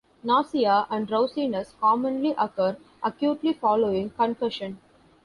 Nausea and drowsiness commonly occur acutely following concussion.